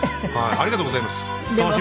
ありがとうございます。